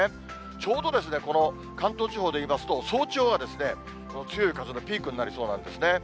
ちょうど、この関東地方でいいますと、早朝は強い風のピークになりそうなんですね。